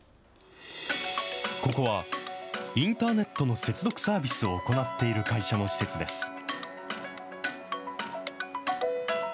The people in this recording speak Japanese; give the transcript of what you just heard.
ここは、インターネットの接続サービスを行っている会社の施設です。